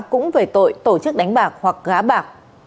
cũng về tội tổ chức đánh bạc hoặc gá bạc